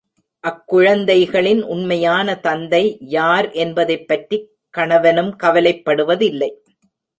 அக் குழந்தைகளின் உண்மையான தந்தை, யார் என்பதைப் பற்றிக் கணவனும் கவலைப்படுவதில்லை.